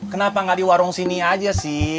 kenapa nggak di warung sini aja sih